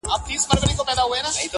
o دا زړه بېړی به خامخا ډوبېږي,